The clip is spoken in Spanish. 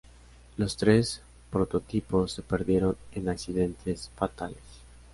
Los tres prototipos se perdieron en accidentes fatales.